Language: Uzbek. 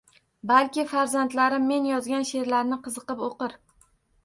Balki farzandlarim men yozgan she’rlarni qiziqib o‘qir.